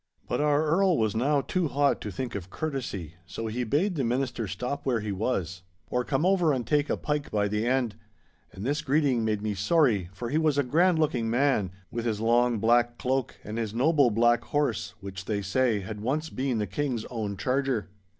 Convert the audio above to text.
But our Earl was now too hot to think of courtesy, so he bade the minister stop where he was, or come over and take a pike by the end; and this greeting made me sorry, for he was a grand looking man, with his long black cloak and his noble black horse, which, they say, had once been the King's own charger.